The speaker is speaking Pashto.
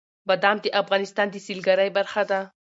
بادام د افغانستان د سیلګرۍ برخه ده.